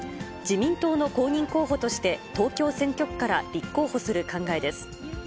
自民党の公認候補として東京選挙区から立候補する考えです。